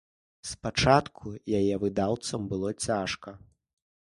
Спачатку яе выдаўцам было цяжка.